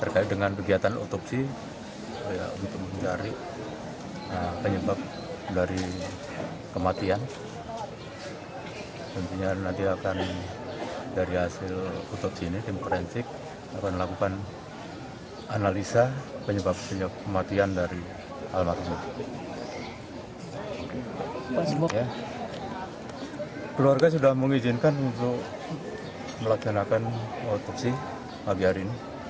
keluarga sudah mengizinkan untuk melaksanakan otopsi pagi hari ini